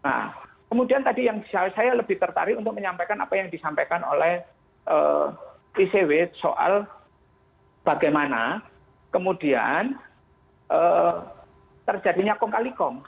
nah kemudian tadi yang saya lebih tertarik untuk menyampaikan apa yang disampaikan oleh icw soal bagaimana kemudian terjadinya kong kali kong